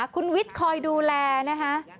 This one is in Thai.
คุณวิทย์คอยดูแลนะคะ